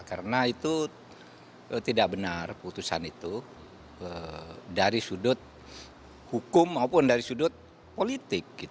karena itu tidak benar putusan itu dari sudut hukum maupun dari sudut politik